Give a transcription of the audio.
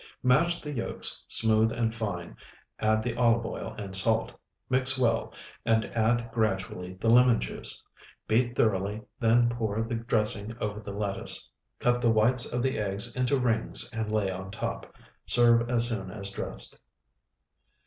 Mash the yolks smooth and fine, add the olive oil and salt. Mix well, and add gradually the lemon juice. Beat thoroughly, then pour the dressing over the lettuce. Cut the whites of the eggs into rings and lay on top. Serve as soon as dressed.